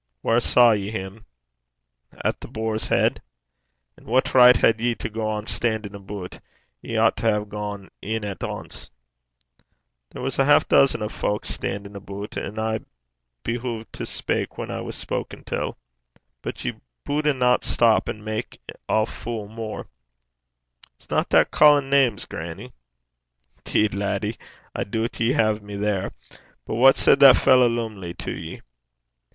'Whaur saw ye him?' 'At The Boar's Heid.' 'And what richt had ye to gang stan'in' aboot? Ye oucht to ha' gane in at ance.' 'There was a half dizzen o' fowk stan'in' aboot, and I bude (behoved) to speik whan I was spoken till.' 'But ye budena stop an' mak' ae fule mair.' 'Isna that ca'in' names, grannie?' ''Deed, laddie, I doobt ye hae me there. But what said the fallow Lumley to ye?'